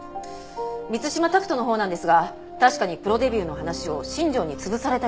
満島拓斗のほうなんですが確かにプロデビューの話を新庄に潰されたようです。